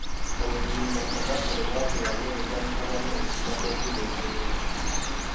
Olwo nnyina, Namasole bw’atyo yaweereza mutabani we Ssemakookiro emberenge.